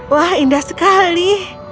wah indah sekali